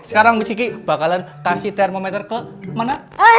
sekarang miss kiki bakalan kasih termometer ke mana